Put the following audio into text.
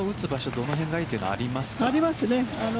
どの辺がいいとかありますか？